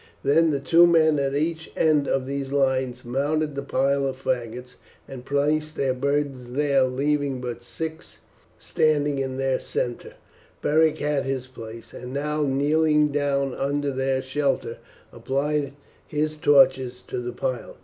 Then the two men at each end of these lines mounted the pile of faggots and placed their burdens there, leaving but six standing. In their centre Beric had his place, and now, kneeling down under their shelter, applied his torches to the pile.